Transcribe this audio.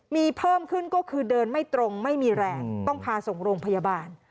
มีเพิ่มขึ้นก็คือเดินไม่ตรงไม่มีแรงต้องพาส่งโรงพยาบาล